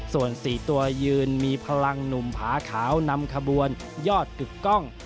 ส่วน๔ตัวยืนมีพลังหนุ่มผาขาวนำขบวนยอดกึกกล้อง